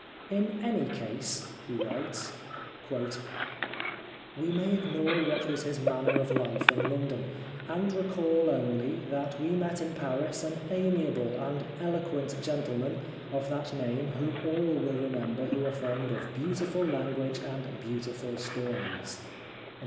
" In any case," he writes, " we may ignore what was his manner of life in London, and re call only that we met in Paris an amiable and eloquent gentleman of that name whom all will remember who are fond of beautiful language and beautiful stories."